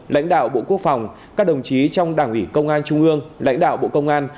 lãnh đạo bộ quốc phòng các đồng chí trong đảng ủy công an trung ương lãnh đạo bộ công an